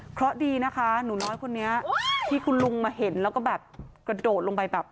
เพราะดีนะคะหนูน้อยคนนี้ที่คุณลุงมาเห็นแล้วก็แบบกระโดดลงไปแบบ